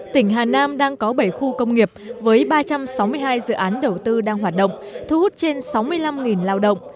tỉnh hà nam đang có bảy khu công nghiệp với ba trăm sáu mươi hai dự án đầu tư đang hoạt động thu hút trên sáu mươi năm lao động